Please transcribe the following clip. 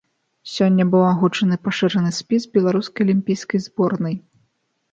Сёння быў агучаны пашыраны спіс беларускай алімпійскай зборнай.